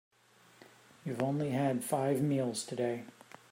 You've only had five meals today.